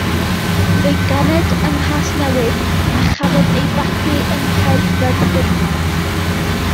Fe'i ganed yng Nghasnewydd, a chafodd ei fagu yng Nghaerfyrddin.